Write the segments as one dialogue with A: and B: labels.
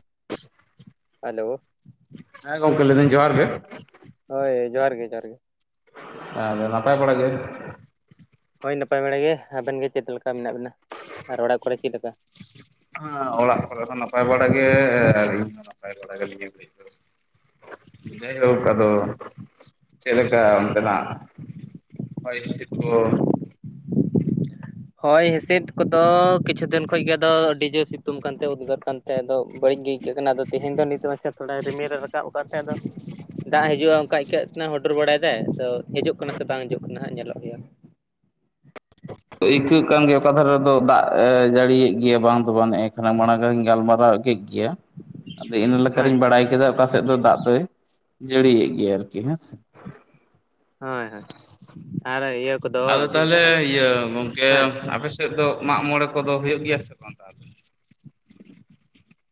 A: [unintelligible]
B: Hello
A: ᱦᱮᱸ ᱜᱚᱝᱠᱮ ᱞᱟᱹᱭᱮᱫᱟᱹᱧ ᱡᱚᱦᱟᱨ ᱜᱮ
B: ᱦᱳᱭ ᱡᱚᱦᱟᱨᱜ ᱜᱮ ᱡᱚᱦᱟᱨᱜ ᱜᱮ
A: ᱟᱨ ᱱᱟᱯᱟᱭ ᱵᱟᱲᱟ ᱜᱮ
B: ᱦᱳᱭ ᱱᱟᱯᱟᱭ ᱵᱟᱲᱟ ᱜᱮ ᱟᱵᱮᱱ ᱜᱮ ᱪᱮᱫ ᱞᱮᱠᱟ ᱢᱮᱱᱟᱜ ᱵᱮᱱᱟ ᱟᱨ ᱚᱲᱟᱜ ᱠᱚᱨᱮ ᱪᱮᱫ ᱞᱮᱠᱟ᱾
A: ᱦᱮ ᱚᱲᱟᱜ ᱠᱚᱨᱮ ᱦᱚᱸ ᱱᱟᱯᱟᱭ ᱵᱟᱲᱟ ᱜᱮ ᱟᱨ ᱤᱧ ᱦᱚᱸ ᱱᱟᱯᱟᱭ ᱵᱟᱲᱟ ᱜᱮ ᱢᱟᱭ
B: ᱦᱳᱭ
A: ᱦᱩᱜ ᱟᱫᱚ ᱪᱮᱫ ᱞᱮᱠᱟ ᱚᱱᱛᱮᱱᱟᱜ ᱦᱚᱭᱦᱤᱥᱤᱫ ᱠᱚ?
B: ᱦᱳᱭ ᱦᱤᱸᱥᱤᱫ ᱠᱚᱫᱚ ᱠᱤᱪᱷᱩ ᱫᱤᱱ ᱠᱷᱚᱱ ᱜᱮ ᱟᱫᱚ ᱟᱹᱰᱤ ᱡᱳᱨ ᱥᱤᱛᱩᱝ ᱠᱟᱱᱛᱮ ᱩᱫᱽᱜᱟᱹᱨ ᱠᱟᱱᱛᱮ ᱛᱮ ᱟᱫᱚ ᱵᱟᱹᱲᱤᱡ ᱜᱮ ᱟᱹᱭᱠᱟᱹᱜ ᱠᱟᱱᱟ, ᱟᱫᱚ ᱛᱮᱦᱮᱱ ᱫᱚ ᱱᱤᱛᱚᱜ ᱢᱟᱪᱷᱟ ᱛᱷᱚᱲᱟ ᱨᱤᱢᱤᱞ ᱨᱮ ᱨᱟᱠᱟᱵ ᱠᱟᱜ ᱛᱮ ᱟᱫᱚ ᱫᱟᱜ ᱦᱤᱡᱩᱜᱼᱟ ᱚᱱᱠᱟ ᱟᱹᱭᱠᱟᱹᱜ ᱛᱮ ᱦᱩᱰᱩᱨ ᱵᱟᱲᱟᱭ ᱫᱟᱭ, ᱛᱚ ᱦᱤᱡᱩᱜ ᱠᱟᱱᱟ ᱥᱮ ᱵᱟᱝ ᱦᱤᱡᱩᱜ ᱠᱟᱱᱟ ᱦᱟᱸᱜ ᱧᱮᱞᱚᱜ ᱜᱮᱭᱟ!
A: ᱟᱹᱭᱠᱟᱹᱜ ᱠᱟᱱ ᱜᱮᱭᱟ ᱚᱠᱟ ᱫᱷᱟᱨᱮ ᱨᱮᱫᱚ ᱫᱟᱜ ᱮ ᱡᱟᱹᱲᱤᱭᱮᱜ ᱜᱮᱭᱟ ᱵᱟᱝ ᱫᱚ ᱵᱟᱝ, ᱦᱮᱜᱼᱮᱸ ᱠᱷᱟᱱᱮ ᱢᱟᱲᱟᱝ ᱜᱤᱧ ᱜᱟᱞᱢᱟᱨᱟᱣ ᱠᱮᱜ ᱜᱮᱭᱟ, ᱟᱫᱚ ᱤᱱᱟᱹ
B: ᱦᱳᱭ
A: ᱞᱮᱠᱟᱨᱤᱧ ᱵᱟᱲᱟᱭ ᱠᱮᱫᱟ ᱚᱠᱟ ᱥᱮᱫ ᱫᱚ ᱫᱟᱜ ᱫᱚᱭ ᱡᱟᱹᱲᱤᱭᱮᱜ ᱜᱮᱭᱟ ᱟᱨᱠᱤ ᱦᱮᱸ ᱥᱮ ᱾
B: ᱦᱳᱭ ᱦᱳᱭ, ᱟᱨ ᱤᱭᱟᱹ ᱠᱚᱫᱚ ᱪᱮᱫ ᱠᱚ ᱢᱮᱛᱟᱜᱼᱟ ᱦᱮᱸ,
A: ᱟᱯᱮᱥᱮᱫ ᱫᱚ ᱢᱟᱜ ᱢᱚᱬᱮ ᱠᱚᱫᱚ ᱦᱩᱭᱩᱜ ᱜᱮᱭᱟ ᱥᱮ ᱵᱟᱝ ᱛᱟᱦᱚᱞᱮ?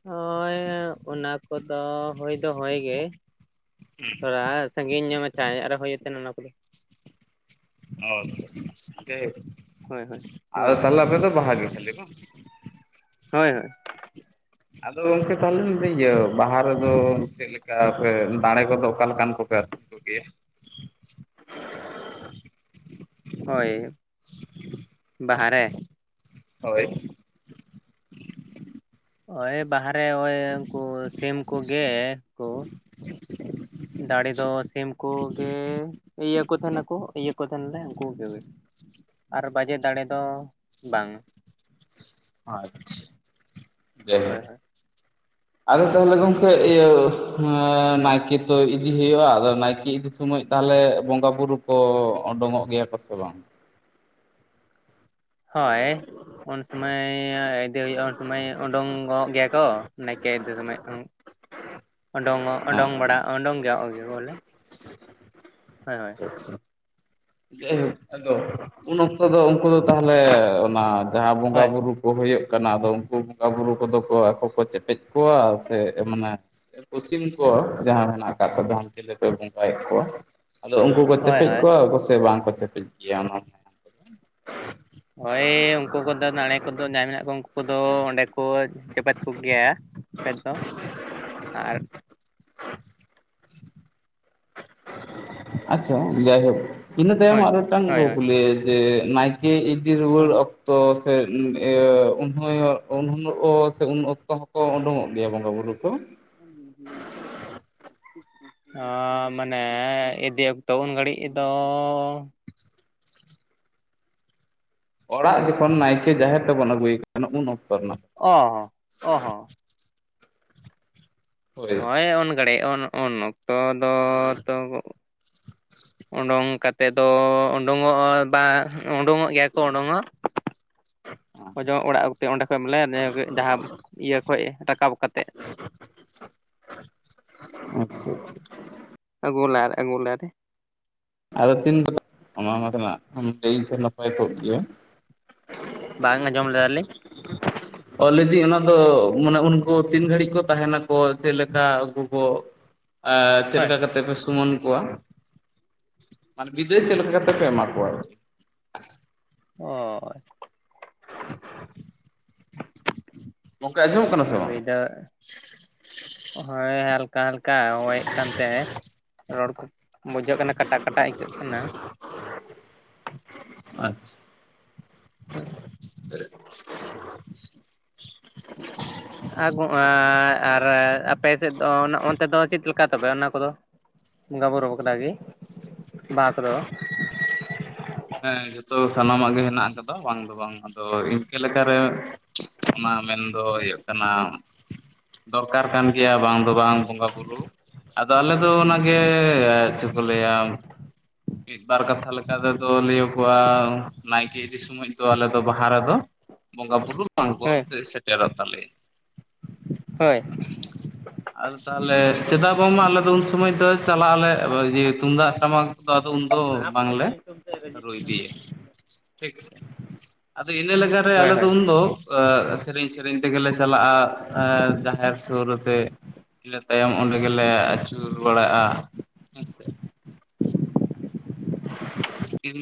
B: ᱦᱳᱭ ᱚᱱᱟ ᱠᱚᱫᱚ ᱦᱳᱭ ᱫᱚ ᱦᱳᱭ ᱜᱮ ᱾
A: ᱦᱮᱸ ᱾
B: ᱛᱷᱚᱲᱟ ᱥᱟᱺᱜᱤᱧ ᱧᱟᱜ ᱢᱟ ᱪᱷᱟᱭᱟ ᱧᱚᱜ ᱟᱨ ᱦᱩᱭᱮᱱ ᱛᱟᱦᱮᱱᱟ ᱚᱱᱟ ᱠᱚᱫᱚ ᱾
A: ᱚ ᱟᱪᱪᱷᱟ ᱟᱪᱪᱷᱟ ᱟᱪᱪᱷᱟ ᱦᱟᱭ ᱦᱳᱠ,
B: ᱦᱳᱭ ᱦᱳᱭ
A: ᱟᱫᱚ
B: ᱦᱳᱭ
A: ᱛᱟᱦᱚᱞᱮ ᱟᱯᱮ ᱫᱚ ᱵᱟᱦᱟ ᱜᱮ ᱠᱷᱟᱞ ᱵᱟᱝ?
B: ᱦᱳᱭ ᱦᱳᱭ ᱾
A: ᱟᱫᱚ ᱜᱚᱝᱠᱮ ᱛᱟᱦᱚᱞᱮ ᱢᱮᱱᱫᱟᱹᱧ ᱤᱭᱟᱹ ᱵᱟᱦᱟ ᱨᱮᱫᱚ ᱪᱮᱫᱞᱮᱠᱟ ᱯᱮ ᱫᱟᱲᱮ ᱠᱚᱫᱚ ᱚᱠᱟ ᱞᱮᱠᱟᱱ ᱠᱚᱯᱮ ᱟᱨᱠᱤ ᱠᱚᱜᱮᱭᱟ?
B: ᱦᱳᱭ, ᱵᱟᱦᱟᱨᱮ!
A: ᱦᱳᱭ ᱾
B: ᱚᱭ ᱵᱟᱦᱟᱨᱮ ᱚᱭ ᱩᱝᱠᱩ ᱥᱤᱢ ᱠᱚᱜᱮ ᱠᱚ ᱾
A: [inaudible]
B: ᱫᱟᱲᱮ ᱫᱚ ᱥᱤᱢ ᱠᱚ ᱜᱮ ᱤᱭᱟᱹ ᱠᱚ ᱛᱟᱦᱮᱱᱟᱠᱚ ᱤᱭᱟᱹ ᱠᱚ ᱛᱟᱦᱮᱱᱟᱞᱮ ᱩᱝᱠᱩ ᱜᱮ, ᱟᱨ ᱵᱟᱡᱮ ᱫᱟᱲᱮ ᱫᱚ ᱵᱟᱝ ᱾
A: ᱟᱪᱪᱷᱟ, ᱡᱟᱭ
B: ᱦᱳᱭ
A: ᱦᱳᱠ
B: ᱦᱳᱭ
A: ᱟᱫᱚ
B: ᱦᱳᱭ
A: ᱛᱟᱞᱦᱮ ᱜᱚᱝ ᱠᱮ ᱤᱭᱟᱹ ᱦᱮᱸᱻ
B: ᱦᱮᱸ
A: ᱱᱟᱭᱠᱮ ᱛᱚ ᱤᱫᱤ ᱦᱩᱭᱩᱜᱼᱟ ᱟᱫᱚ ᱱᱟᱭᱠᱮ ᱤᱫᱤ ᱥᱚᱢᱚᱡ ᱛᱟᱦᱚᱞᱮ ᱵᱚᱸᱜᱟ ᱵᱩᱨᱩ ᱠᱚ ᱳᱰᱳᱝ ᱚᱜ ᱜᱮᱭᱟ ᱠᱚ ᱥᱮ ᱵᱟᱝ?
B: ᱦᱳᱭ ᱾ ᱩᱱᱥᱩᱢᱟᱹᱭ ᱤᱫᱮ ᱦᱩᱭᱩᱜᱼᱟ ᱩᱱᱥᱩᱢᱟᱹᱭ ᱩᱰᱩᱝ ᱜᱚᱜ ᱜᱮᱭᱟ ᱠᱚ ᱱᱟᱭᱠᱮ ᱤᱫᱮ ᱥᱚᱢᱚᱭ ᱾
A: [inaudible]
B: ᱳᱰᱳᱝᱚᱜ ᱳᱰᱳᱝ ᱵᱟᱲᱟ
A: ᱟᱪᱪᱷᱟ
B: ᱳᱰᱚᱝ ᱜᱚᱜ ᱜᱮᱭᱟ ᱠᱚ ᱵᱚᱞᱮ ᱦᱳᱭ ᱾
A: ᱡᱟᱭ ᱦᱳᱠ ᱟᱫᱚ ᱩᱱ ᱚᱠᱛᱚ ᱫᱚ ᱩᱝᱠᱩ ᱫᱚ ᱛᱟᱦᱚᱞᱮ ᱚᱱᱟ ᱡᱟᱦᱟᱸ ᱵᱚᱸᱜᱟ
B: ᱦᱳᱭ
A: ᱵᱩᱨᱩ ᱠᱚ ᱦᱩᱭᱩᱜ ᱠᱟᱱᱟ ᱟᱫᱚ ᱩᱱᱠᱩ ᱵᱚᱸᱜᱟ ᱵᱩᱨᱩ ᱠᱚᱫᱚ ᱠᱚ ᱟᱠᱚ ᱠᱚ ᱪᱮᱯᱮᱪ ᱠᱚᱣᱟ ᱥᱮ ᱢᱟᱱᱮ ᱮᱠᱳ ᱥᱤᱢ ᱠᱚ ᱡᱟᱦᱟᱸ ᱢᱮᱱᱟᱜ ᱟᱠᱟᱫ ᱠᱚᱫᱚ ᱦᱟᱝ ᱪᱮᱞᱮ ᱯᱮ ᱵᱚᱸᱜᱟᱭᱮᱫ ᱠᱚᱣᱟ? ᱟᱫᱚ ᱩᱱᱠᱩ ᱠᱚ
B: ᱦᱳᱭ
A: ᱪᱮᱯᱮᱡ
B: ᱦᱳᱭ
A: ᱠᱚᱣᱟ ᱠᱚᱥᱮ ᱵᱟᱝ ᱠᱚ ᱪᱮᱯᱮᱡ ᱜᱮᱭᱟ ᱚᱱᱟ?
B: ᱳᱭ ᱩᱝᱠᱩ ᱠᱚᱫᱚ ᱫᱟᱬᱮ ᱠᱚᱫᱚ ᱡᱟᱦᱟᱸᱭ ᱢᱮᱱᱟᱜ ᱠᱚ ᱩᱱᱠᱩ ᱠᱚᱫᱚ ᱚᱸᱰᱮ ᱠᱚ ᱪᱮᱯᱮᱡ ᱠᱚ ᱜᱮᱭᱟ ᱪᱮᱯᱮᱡ ᱫᱚ, ᱟᱨ
A: ᱟᱪᱪᱷᱟ ᱡᱟᱭᱦᱳᱠ, ᱤᱱᱟᱹ ᱛᱟᱭᱚᱢ
B: ᱦᱳᱭ
A: ᱟᱨ ᱢᱤᱫᱴᱟᱝ
B: ᱦᱳᱭ ᱦᱳᱭ
A: ᱠᱩᱠᱞᱤ ᱡᱮ ᱱᱟᱭᱠᱮ ᱤ ᱫᱤ ᱨᱩᱣᱟᱹᱲ
B: ᱦᱳᱭ
A: ᱚᱠᱛᱚ ᱥᱮ ᱤᱱ ᱤᱭᱟᱹ ᱩᱱ ᱦᱳᱭᱳᱜ ᱩᱱ ᱦᱤᱞᱚᱜ ᱥᱮ ᱩᱱ ᱚᱠᱛᱚ ᱦᱚᱸᱠᱚ ᱩᱰᱩᱝᱚᱜ ᱜᱮᱭᱟ ᱵᱚᱸᱜᱟ ᱵᱩᱨᱩ ᱠᱚ? [inaudible]
B: ᱚ ᱢᱟᱱᱮ ᱤᱫᱤ ᱚᱠᱛᱚ ᱩᱱ ᱜᱷᱟᱹᱲᱤᱡ ᱫᱚᱻ
A: ᱚᱲᱟᱜ
B: ᱚ
A: ᱡᱚᱠᱷᱚᱱ ᱱᱟᱭᱠᱮ ᱡᱟᱦᱮᱨ ᱛᱮᱵᱚᱱ ᱟᱹᱜᱩᱭᱮ ᱠᱟᱱ ᱩᱱ ᱚᱠᱛᱚ ᱨᱮᱱᱟᱜ ᱾
B: ᱚ ᱦᱚᱸ ᱚ ᱦᱚᱸ ᱾ ᱦᱳᱭ ᱩᱱ ᱜᱟᱲᱤᱡ ᱩᱱ ᱩᱱ ᱚᱠᱛᱚ ᱫᱚ ᱛᱚ ᱩᱰᱩᱝ ᱠᱟᱛᱮᱫ ᱫᱚ ᱩᱰᱩᱝᱚᱜᱼᱟ ᱵᱟᱝ ᱩᱰᱩᱝᱚᱜ ᱜᱮᱭᱟ ᱠᱚ ᱩᱰᱩᱝᱚᱜ ᱾
A: ᱟᱪᱪᱷᱟ
B: ᱚᱡᱚᱜ ᱚᱲᱟᱜ ᱚᱠᱛᱮ ᱚᱸᱰᱮ ᱠᱷᱚᱡ ᱵᱚᱞᱮ ᱡᱟᱦᱟᱸ ᱤᱭᱟᱹ ᱠᱷᱚᱡ ᱨᱟᱠᱟᱵ ᱠᱟ ᱠᱟᱛᱮᱫ
A: ᱟᱪᱪᱷᱟ ᱟᱪᱪᱷᱟ᱾
B: ᱟᱜᱩᱞᱟᱦᱟ ᱨᱮ ᱟᱜᱩᱞᱟ ᱨᱮ᱾
A: ᱟᱫᱚ ᱛᱤᱱ ᱵᱟ ᱢᱟ ᱚᱱᱟ ᱱᱟᱥᱮᱱᱟᱜ ᱞᱟᱹᱭ ᱠᱷᱟᱱ ᱱᱟᱯᱟᱭ ᱠᱚᱜ ᱜᱮᱭᱟ᱾
B: ᱵᱟᱝ ᱟᱸᱡᱚᱢ ᱞᱮᱫᱟ ᱞᱤᱧ᱾
A: [inaudible] ᱚ ᱞᱟᱹᱭᱫᱤᱧ ᱚᱱᱟ ᱫᱚ ᱢᱟᱱᱮ ᱩᱱᱠᱩ ᱛᱤᱱ ᱜᱷᱟᱹᱲᱤᱡ ᱠᱚ ᱛᱟᱦᱮᱸᱱᱟ ᱠᱚ ᱪᱮᱫ ᱞᱮᱠᱟ ᱩᱱᱠᱩ ᱠᱚ ᱮ ᱪᱮᱫ
B: ᱦᱳᱭ
A: ᱞᱮᱠᱟ ᱠᱟᱛᱮ ᱯᱮ ᱥᱩᱢᱟᱱ ᱠᱚᱣᱟ, ᱢᱟᱱᱮ ᱵᱤᱫᱟᱹᱭ ᱪᱮᱫ ᱞᱮᱠᱟ ᱠᱟᱛᱮ ᱯᱮ ᱮᱢᱟ ᱠᱚᱣᱟ?
B: ᱚᱭ᱾
A: [inaudible] ᱜᱚᱢᱠᱮ ᱟᱸᱡᱚᱢᱚᱜ ᱠᱟ
B: ᱦᱳᱭ ᱵᱟᱹᱭ ᱫᱚ ᱦᱳᱭ ᱦᱟᱞ ᱦᱟᱞᱠᱟ ᱦᱟᱞᱠᱟ ᱦᱚᱭᱮᱫ ᱠᱟᱱᱛᱮ ᱨᱚᱲ ᱠᱚ ᱵᱩᱡᱷᱟᱹᱜ ᱠᱟᱱᱟ ᱠᱟᱴᱟᱜ ᱠᱟᱴᱟᱜ ᱟᱹᱭᱠᱟᱹᱜ ᱠᱟᱱᱟ᱾
A: ᱟᱪᱪᱷᱟ᱾
B: [unintelligible] ᱟ ᱜᱚ ᱟ ᱟᱨ ᱟᱯᱮ ᱥᱮᱫ ᱫᱚ ᱚᱱ ᱚᱱᱛᱮ ᱫᱚ ᱪᱮᱫ ᱞᱮᱠᱟ ᱛᱚᱵᱮ ᱚᱱᱟ ᱠᱚᱫᱚ? ᱵᱚᱸᱜᱟ ᱵᱩᱨᱩ ᱵᱟᱠᱷᱨᱟ ᱜᱤ ᱵᱟᱦᱟ ᱠᱚᱫᱚ
A: ᱦᱮᱸ ᱡᱷᱟᱛᱚ ᱥᱟᱱᱟᱢᱟᱜ ᱜᱮ ᱦᱮᱸᱱᱟᱜ ᱠᱟᱫᱟ ᱵᱟᱝ ᱫᱚ ᱵᱟᱝ ᱟᱫᱚ ᱤᱱᱠᱟᱹ ᱞᱮᱠᱟᱨᱮ ᱚᱱᱟ ᱢᱮᱱᱫᱚ ᱦᱩᱭᱩᱜ ᱠᱟᱱᱟ ᱫᱚᱨᱠᱟᱨ ᱠᱟᱱ ᱜᱮᱭᱟ ᱵᱟᱝ ᱫᱚ ᱵᱟᱝ ᱵᱚᱸᱜᱟ ᱵᱩᱨᱩ᱾ ᱟᱫᱚ ᱟᱞᱮ ᱫᱚ ᱚᱱᱟᱜᱮ ᱪᱮᱫ ᱠᱚ ᱞᱟᱹᱭᱟ ᱢᱤᱫᱵᱟᱨ ᱠᱟᱛᱷᱟ ᱞᱮᱠᱟ ᱛᱮᱫᱚ ᱞᱟᱹᱭᱚᱜᱚᱜᱼᱟ ᱱᱟᱭᱠᱮ ᱤᱫᱤ ᱥᱚᱢᱚᱭ ᱫᱚ ᱟᱞᱮ ᱫᱚ ᱵᱟᱦᱟ ᱨᱮᱫᱚ ᱵᱚᱸᱜᱟ ᱵᱩᱨᱩ ᱵᱟᱝ ᱠᱚ
B: ᱦᱳᱭ
A: ᱫᱮ ᱥᱮᱴᱮᱨᱚᱜ ᱛᱟᱞᱮ᱾
B: ᱦᱳᱭ᱾
A: ᱟᱫᱚ ᱛᱟᱦᱚᱞᱮ ᱪᱮᱫᱟᱜ ᱵᱟᱝᱢᱟ ᱟᱞᱮ ᱫᱚ ᱩᱱ ᱥᱚᱢᱚᱭ ᱫᱚ ᱪᱟᱞᱟᱜ ᱟᱞᱮ ᱤᱭᱟᱹ ᱛᱩᱢᱫᱟᱜ ᱴᱟᱢᱟᱠ ᱟᱫᱚ ᱩᱱ ᱫᱚ ᱵᱟᱝᱞᱮ ᱨᱩᱭ ᱤᱫᱤᱭᱟ ᱴᱷᱤᱠ ᱥᱮ? ᱟᱫᱚ ᱤᱱᱟᱹ ᱞᱮᱠᱟᱨᱮ
B: ᱦᱳᱭ
A: ᱟᱞᱮ ᱫᱚ
B: ᱦᱳᱭ
A: ᱩᱱ ᱫᱚ ᱟᱜ ᱥᱮᱨᱮᱧ ᱥᱮᱨᱮᱧ ᱛᱮᱜᱮᱞᱮ ᱪᱟᱞᱟᱜᱼᱟ ᱡᱟᱦᱮᱨ ᱥᱩᱨ ᱛᱮ, ᱮ ᱛᱟᱭᱚᱢ ᱚᱸᱰᱮ ᱜᱮᱞᱮ ᱟᱹᱪᱩᱨ ᱵᱟᱲᱟᱜᱼᱟ ᱦᱮᱸᱥᱮ? ᱤᱧ